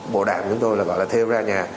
bộ đạm chúng tôi là gọi là theo ra nhà